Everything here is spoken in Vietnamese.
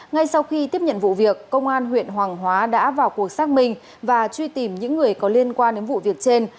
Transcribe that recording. ngay sau khi tiếp nhận vụ việc công an huyện hoàng hóa đã vào cuộc xác minh và truy tìm những người có liên quan đến vụ việc trên